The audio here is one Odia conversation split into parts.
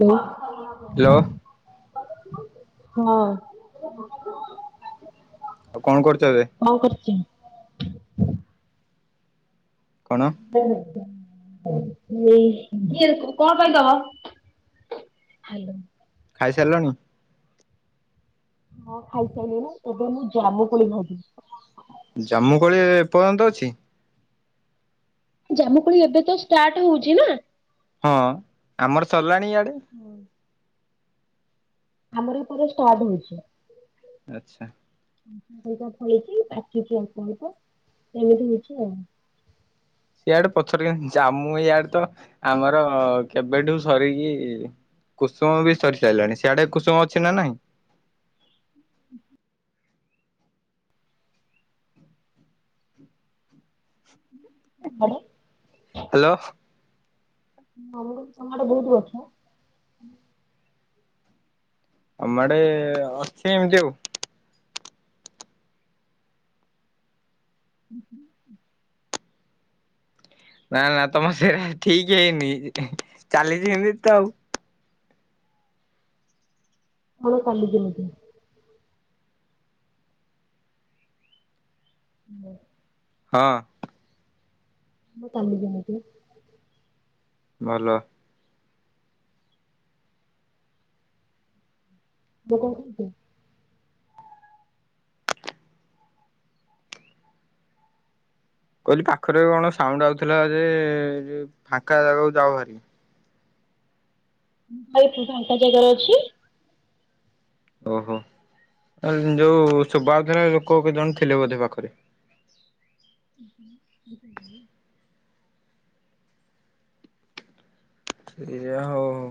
Hello hello. ହଁ। ଆଉ ଙ୍କ କରୁଚ ଏବେ? କଣ କରୁଛ? କଣ ସେ କଣ ପାଇଁ ଦବ? ଖାଇସାରିଲଣି? ହଁ ଖାଇସାରିଲଣିି, ଏବେ ମୁଁ ଜାମୁ ପୋଳି ଖାଇିବି। ଜାମୁକୋଳି ଏ ପର୍ଯ୍ୟନ୍ତ ଅଛି? ଜାମୁକୁଳି ଏବେ ତ ଷ୍ଟାର୍ଟ ହଉଛି ନା! ହଁ ଆମର ସରିଲାଣି ଏଆଡ଼େ। ହଁ ଆମର ଏପଟ ଷ୍ଟାର୍ଟ ହେଉଛି। ଆଚ୍ଛା। କେତେ ଟା ଫଳିଛି ପାଚୁଛି ଅଳ୍ପ ଅଳ୍ପ ତ ସେମିତି ହଉଛି ଆଉ। ଏଡ୍ ପଛରେଂ ଯାମୁ ଇଆଡେ ତ ଆମର କେବେଠୁ ସରିକି କୁସୁମ ବି ସରି ସାଇଲାଣି। ସିଆଡେ କୁସୁମ ଅଛି ନା ନାହିଁ? ଆଡେ ହଲୋ। ଆମଡୁ ତମଡେ ବହୁତ ଗଛ। ଆମଡେ ଅଛି ଏମିତି ଆଉ। ନା ନା ତମର ସେ ଠିକି ହେଇନି ଚାଲିଛି ଏମିତି ତ ଆଉ। ହଣ କାଲିି ଯିମୁକି ହଁ। ମ କାଲି ଯିମୁକି ଭଲ। [unintelligible] କ‌ଇଲି ପାଖରେ କଣ ସାଉଣ୍ଡ୍ ଆଉଥିଲା ଯେ ଫାଙ୍କା ଜାଗାକୁ ଯାଉ ଭାରି! [inaudible] ଫାଙ୍କା ଜାଗାରେ ଅଛି। ଓହୋ ଏନ୍ ଯୋଉ ସୁବାଉଥିଲା ଲୋକ କେଜଣ ଥିଲେ ବୋଧେ ପାଖରେ? [unintelligible] ଆ ହଉ ହଉ।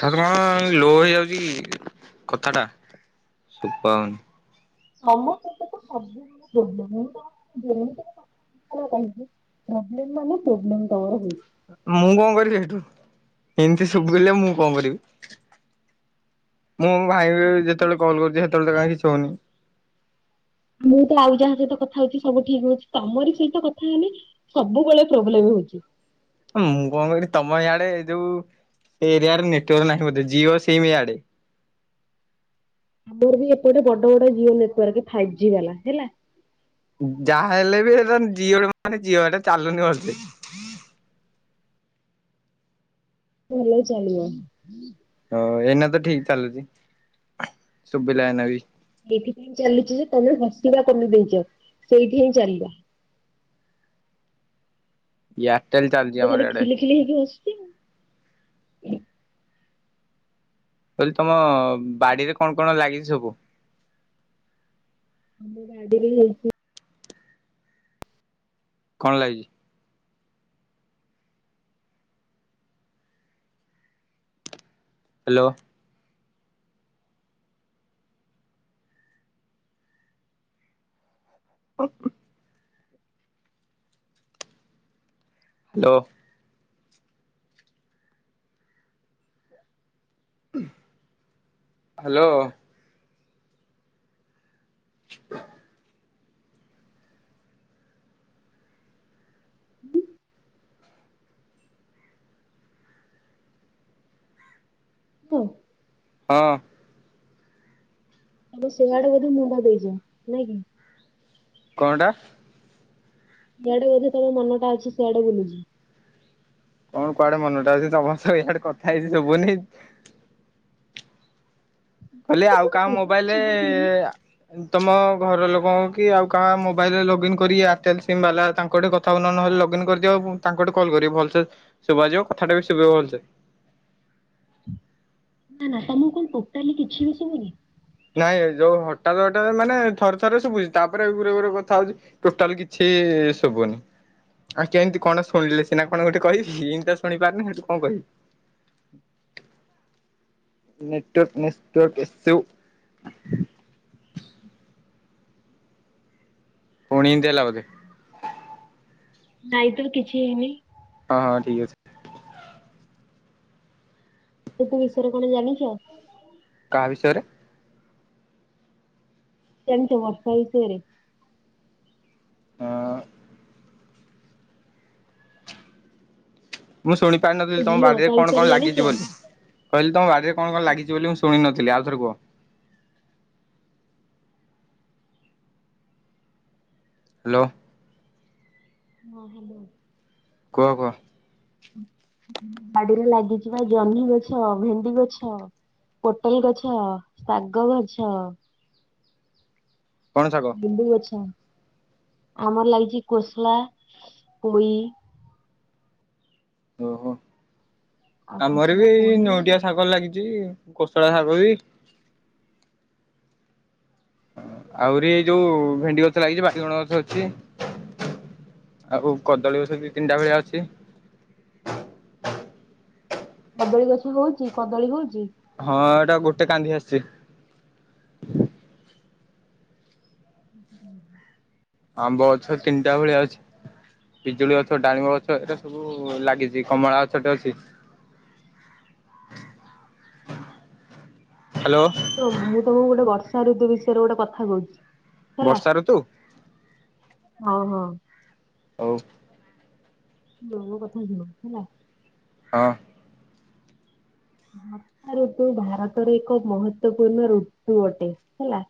ଠାଥ୍ କଣ ଲୋ ହେଇଯାଉଛି କଥା ଟା।। ସୁପାଉନ୍ ମାମ ପଟ ତ ସବୁ ଦିନ [unintelligible] [unintelligible] ପ୍ରୋବ୍ଲେମ୍ ମାନ ପ୍ରୋବ୍ଲେମ ତମର ହୋଇଛି। ମୁଁ କଣ କରିବି ଏଇଠୁ? ଇନ୍ତି ସୁବିଲେ ମୁଁ କଣ କରିବି? ମୁଁ ଭାଇ ବି ଯେତେବେଳେ କଲ୍ କରୁଛି ହେତେବେଳେ ତ କାଁଇ କିଛି ହଉନି। ମୁଁ ତ ଆଉ ଯାହା ସହିତ କଥା ହଉଛି ସବୁ ଠିକ୍ ହଉଛି। ତମରି ସହିତ କଥା ହେଲେ ସବୁବେଳେ ପ୍ରୋବ୍ଲେମେ ହଉଛି। ଅମୁଁ କଣ କହିନି ତମ ଇଆଡେ ଯୋଉ ଏରିଆ ରେ ନେଟୱାର୍କ ନାହିଁ ବୋଧେ ଜିଓ ସିମ୍ ଇଆଡେ ଆମର ବି ଏପଟେ ବଡ ବଡ ଜିଓ ନେଟୱାର୍କ ଫାଇଜି ବାଲା ହେଲା। ଯାହା ହେଲେ ବି ହେଟା ଜିଅ ମାନେ ଜିଅ ଏଟା ଚାଲୁନି ଭଲ୍ ସେ ଭଲ ଚାଲିବ। ହ ଏନା ତ ଠିକ ଚାଲୁଛି, ସୁବିିଲା ଏନା ବି। ଏଥିପାଇଁ ଚାଲୁଛି ଯେ ତମେ ହସିବା କମି ଦେଇଛ। ସେଇଠି ହିଁ ଚାଲିଲା। ଏୟାରଟେଲ ଚାଲିଛି ତ ଆମର ଖାଲି ଇଆଡେ। ଖିଲି ଖିଲି ହେଇକି ହସୁ। କିଇଲି ତମ ବାଡିରେ କଣ କଣ ଲାଗିଛି ସବୁ? ଆମ ବାଡ଼ିରେ ହେଇଛି। କଣ ଲାଗିଛି? ହେଲୋ! [inaudible] ହେଲୋ! ଉହ୍ ହାଲୋ। [inaudible] ହୁଁ। ହଁ। ତମେ ଶିଆଡେ ବଧେ ମୁଣ୍ଡ ଦେଇଚ ନାଇଁ କି? କଣ୍ଟା? ସିଆଡେ ବୋଧେ ତମ ମନଟା ଅଛି। ସିଆଡେ ବୁଲୁଚି। କଣ କୁଆଡେ ମନଟା ଅଛି? ତମ ସୁ ଏ ପଟେ କଥା ହେଇଚି ସବୁନି? କଲି ତ ଆଉ କଣ କାହା ଓଭରାଲ୍ ଶୁଭୁନି ବୋଲି। ମୋବାଇଲରେ ଆ ତମ ଘର ଲୋକଙ୍କ କି ଆଉ କାହା ମୋବାଇଲ୍ ରେ ଲଗଇନ କରି ୟାରଟେଲ ସିମ୍ ବାଲା ତାଙ୍କଠି କଥାହଉନ ନହେ ଲଗଇନ କରିଦଅ ପୁ ତାଙ୍କ ଆଡୁ କଲ କରିବେ ଭଲସେ ଶୁଭାଯିବ କଥାଟା ବି ଶୁଭିବ ଭଲସେ। [inaudible] ନା ତମୁକୁ କଣ ଟୋଟାଲି କିଛି ବି ଶୁଭୁନି? ତା ମାନେ ଥରେ ଥରେ ଶୁଭୁଚି ତାପରେ ଗୁରେ ଗୁରେ କଥା ହଉଚି ଟୋଟାଲି କିଛି ଶୁଭୁନି। ଆଉ କେମିତି କଣ ଶୁଣିଲେ ସିନା କଣ ଗୋଟେ କହିବି। ଏମତୀଆ ଶୁଣିପାରୁନି କଣ କହିବି? [inaudible] ନେଟୱାର୍କ ନେସ୍ତୱାର୍କ ଏସବୁ ପୁଣି ଏମତି ହେଲା ବୋଧେ। ନାଇଁ ତ କିଛି ହେଇନି। ହଁ ହଁ ଠିକ ଅଛି। ତାଙ୍କୁ ବିଷୟରେ କଣ ଜାଣିଚ? କାହା ବିଷୟରେ? କେମିତି ବାପା ବିଷୟରେ? ଆଁ ମୁଁ ଶୁଣିି ପାରିନଥିଲି ତମ ଝିଅ ବାଡିରେ ତା କଣ ବିଷୟରେ କଣ ଜାଣିଛ? ଲାଗିଚି ବୋଲି କହିଲି ତମ ବାଡିରେ କଣ କଣ ଲାଗିଚି ବୋଲି ମୁଁ ଶୁଣିିନ ଥିଲି ଆଉ ଥରେ କୁହ। ହାଲୋ। ହଁ ହାଲୋ। କୁହ କୁଅ। ବାଡିରେ ଲାଗିଚିପା ଜହ୍ନି ଗଛ ଭେଣ୍ଡି ଗଛ। ପୋଟଲ ଗଛ, ଶାଗ ଗଛ। କଣ ଶାଗ? ଲେମ୍ବୁ ଗଛ। ଆମର ଲାଗିଚି କୋସଲା, ପୋଇ ଓହୋ ଆଉ ଆମର କୋଶଳା, ବି ଏଇ ପୋଇ ନେଉଟିଆ ଶାଗ ଲାଗିଚି। କୋଶଳା ଶାଗ ବି ଆଉରି ଏଇ ଯୋଉ ଭେଣ୍ଡି ଗଛ ଲାଗିଚି ବାଇଗଣ ଗଛ ଅଛି। ଆଉ କଦଳୀ ଗଷ ଦି ତିନିଟା ଭଳିଆ ଅଛି। [inaudible] କଦଳୀ ଗଛ ହଉଚି କଦଳୀ ହଉଚି? ହଁ ଏଟା ଗୋଟେ କାନ୍ଧି ଆସିଚି। ହୁଁ ହଁ। ଆମ୍ବ ଗଛ ତିନଟା ଭଳିଆ ଅଛି। ପିଜୁଳି ଗଛ ଡାଳିମ୍ବ ଗଛ ଏଟା ସବୁ ଲାଗିଚି କମଳା ଗଛ ଟେ ଅଛି। [inaudible] ହ୍ୟାଲୋ। ଶୁଣ ମୁଁ ତମକୁ ଗୋଟେ ବର୍ଷା ଋତୁ ବିଷୟରେ ଗୋଟେ କଥା କହୁଚି । ବର୍ଷାଋତୁ। ହଁ ହଁ। ହଉ। ମୋର ଗୋଟେ କଥା ଶୁଣ ହେଲା। ହଁ। ବର୍ଷା ଋତୁ ଭାରତରେ ଏକ ମହତ୍ୱ ପୂର୍ଣ୍ଣ ଋତୁ ଅଟେ ହେଲା।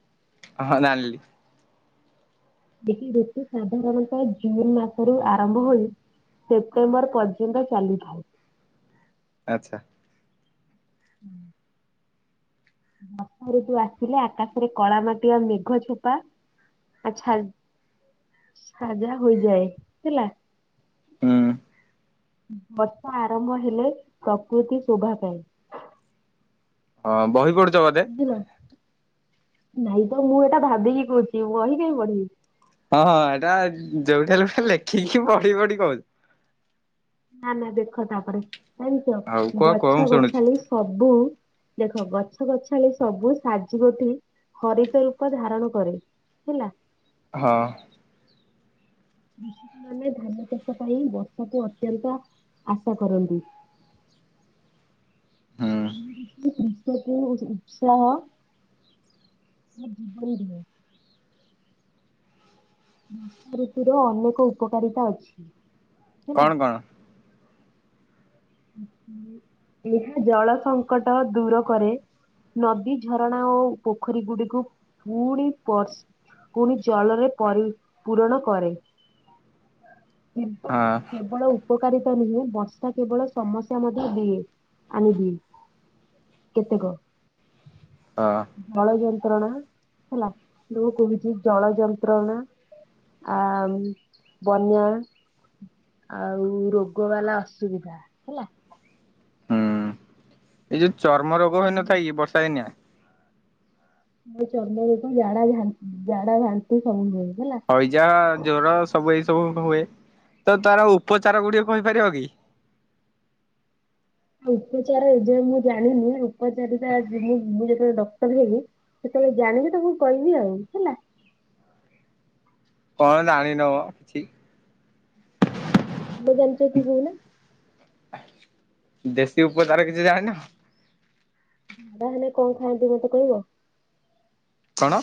ହଁ ଜାଣିଲି। ଏହି ଋତୁ ସାଧାରଣତଃ ଜୁନ ମାସରୁ ଆରମ୍ଭ ହୋଇ ସେପ୍ଟେମ୍ବର ପର୍ଯ୍ୟନ୍ତ ଚାଲିଥାଏ। ଆଚ୍ଛା। [inaudible] ବର୍ଷା ଋତୁ ଆସିଲେ ଆକାଶରେ କଳା ମାଟିଆ ମେଘ ଛେପା ଆଛା। ସାଜା ହୋଇଯାଏ ହେଲା। ହୁଁ। ବର୍ଷ ଆରମ୍ଭ ହେଲେ ପ୍ରକୃତି ଶୋଭା ପାଏ । ହଁ ବହି କୋଉ ବୁଝିଲ। ନାଇଁ ତ ମୁଁ ଏଟା ଭାବିକି କହୁଛି ବହି କାଇଁ ପଢିବି । ହଁ ହଁ ଏଟା ଯୋଉଠି ହେଲେ ତ ଲେଖିକି ପଢି ପଢି କହୁଚ। ନା ନା ଦେଖ ତାପରେ ଜାଣିିଚ ହଉ କୁହ କୁହ ଗଛ ମୁଁ ଶୁଣୁଛି କଟାଳି ସବୁ ଦେଖ ଗଛ ଗଛାଳି ସବୁ ସାଜି ଗୋଟି ହରିିତ ରୂପ ଧାରଣ କରେ ହେଲା। ହଁ। କୃଷକ ମାନେ ଧାନ ଚାଷ ପାଇଁ ବର୍ଷାକୁ ଅତ୍ୟନ୍ତ ଆଶା କରନ୍ତି। [inaudible] ହୁଁ [unintelligible] ଉତ୍ସାହ। [unintelligible] ବର୍ଷା ଋତୁ ର ଅନେକ ଉପକାରିତା ଅଛି । କଣ କଣ? ଏହା ଜଳ ସଙ୍କଟ ଦୂର କରେ । ନଦୀ ଝରଣା ଓ ପୋଖରୀ ଗୁଡିକୁ ପୁଣି ବ ପୁଣି ଜଳରେ ପରି ପୁରଣ କରେ । କିନ୍ତୁ ହଁ କେବଳ ଉପକାରିତା ନୁହେଁ ବର୍ଷା କେବଳ ସମସ୍ୟା ମଧ୍ୟ ଦିଏ ଆଣିଦିଏ କେତେକ। [unintelligible] ହଁ [unintelligible] ହେଲା ମୁଁ କହୁଚି ଜଳ ଯନ୍ତ୍ରଣା ଆ ବନ୍ୟା ଆଉ ରୋଗ ବାଲା ଅସୁବିଧା ହେଲା। ହୁଁ ଏଇ ଯୋଉ ଚର୍ମ ରୋଗ ହୋଇଇନଥାଏ କି ବର୍ଷା ଦିନିଆ। ଚର୍ମ ରୋଗ ଝାଡ଼ା ଝାଡ଼ା ବାନ୍ତି ସବୁ ହୁଏ। ହେଲା ହଇଜା ଜ୍ଵର ସବୁ ଏ ସବୁ ହୁଏ। ତ ତାର ଉପଚାର ଗୁଡିକ କହିପାରିବ କି? ଉପଚାର ଏ ଯାଏ ମୁଁ ଜାଣିନି। ଉପକାରୀତା ମୁଁ ମୁଁ ଯେତେବେଳେ ଡକ୍ଟର ହେବ ସେତେବେଳେ ଜାଣିକି ତାଙ୍କୁ କହିବି ଆଉ ହେଲା । କଣ ଜାଣିନ ବ କିଛି। ତମେ ଜାଣିଚ କି କହୁନା । ଦେଶୀ ଉପଚାର କିଛି ଜାଣିନ। ଥଣ୍ଡା ହେଲେ କଣ ଖାଆନ୍ତି ମତେ କହିବ? କଣ?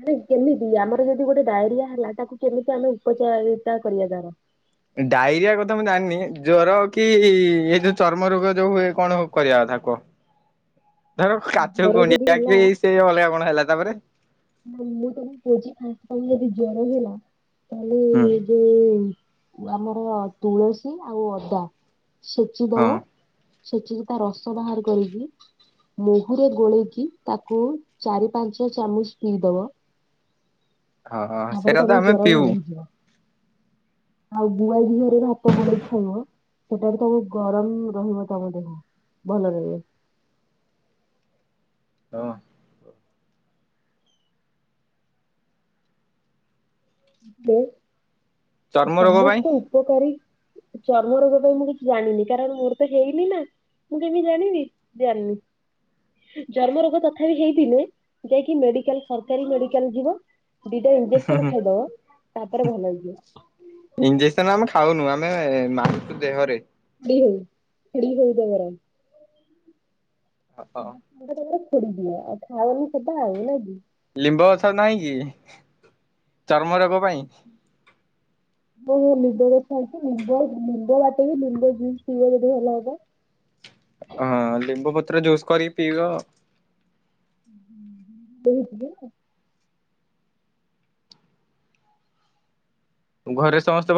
ମାନେ କେମିତି ଆମର ଯଦି ଗୋଟେ ଡାଇରିଆ ହେଲା ତାକୁ କେମିତି ଆମେ ଉପଚାରିତା କରିବା ତାର? ଡାଇରିଆ କଥା ମୁଁ ଜାଣିନି। ଜ୍ଵର କି ଏଇ ଯୋଉ ଚର୍ମ ରୋଗ ଯୋଉ ହୁଏ କଣ କରିବା ନାକ [inaudible] ଧର କାଛୁ ଜର ଯଦି କୁଣ୍ଡିଆ ହେଲା କି ସେ ଅଲଗା କଣ ହେଲା ତାପରେ ନା ମୁଁ ତମ କହୁଚି ତମକୁ ଯଦି ଜର ହେଲା ହଁ। ତାହେଲେ ଯୋଉ ଆମର ତୁଳସୀ ଆଉ ଅଦା ଦବ। ଛେଚିକି ତାରସ ବାହାର କରି କି ମହୁରେ ଗୋଳେଇକି ତାକୁ ଚାରି ପାଞ୍ଚ ଚାମଚ ପିଇଦବ ହଁ । ତାପରେ ସେଇଟା ତ ତମ ଆମେ ଜର ପିଉ ଭଲ ହେଇଯିବ । ଆଉ ଗୁଆ ଘିଅ ରେ ଭାତ ଗୋଳେଇକି ଖାଇବ । ସେଟା ବି ତବୁ ଗରମ ରହିବ ତମ ଦେହ ଭଲ ରହିବେ । ହଁ । ଚର୍ମ ରୋଗ ପାଇଁ ସମସ୍ତ ଉପକାରୀ ଚର୍ମ ରୋଗ ପାଇଁ ମୁଁ କିଛି ଜାଣିନି କାରଣ ମୋର ତ ହେଇନି ନା । ମୁଁ କେମିତି ଜାଣିବି ଜାଣିନି । ଚର୍ମ ରୋଗ ତଥାପି ହେଇଥିନେ ଯାଇକି ମେଡିକାଲ୍ ସରକାରୀ ମେଡାକାଲ୍ ଯିବ । ଦିଟା ଇଞ୍ଜେକ୍ସନ୍ ଖାଇଦବ ତାପରେ ଭଲ ହେଇଯିବ । ଇଞ୍ଜେକ୍ସନ୍ ଆମେ ଖାଉନୁ ଆମେ ମାରୁନୁ ଦେହରେ । [unintelligible] ଛାଡ଼ିଦିଏ ଆଉ ହଁ ଖାଅନି ସେଟା ଆଉ ନା କି? ଲିମ୍ବ ଗଛ ନାହିଁ କି ଚର୍ମ ରୋଗ ପାଇଁ । ନିମ୍ବ ଗଛ ଅଛି ନିମ୍ବ ନିମ୍ବ ବାଟିକି ନିମ୍ବ ଜୁସ୍ ପିଇବ ଯଦି ଭଲ ହବ । ହଁ ନିମ୍ବପତ୍ର ଜୁସ୍ କରିି ପିଇବ । [unintelligible] ଘରେ ସମସ୍ତେ ଭ